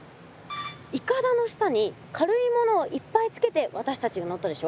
いかだの下に軽いものをいっぱいつけて私たちが乗ったでしょ。